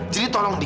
jadi tolong indi